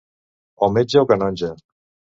O metge o canonge.